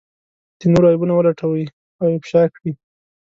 د نورو عيبونه ولټوي او افشا کړي.